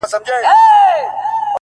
o له دغي لويي وچي وځم ـ